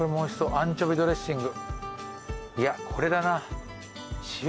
アンチョビドレッシング。